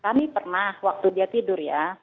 kami pernah waktu dia tidur ya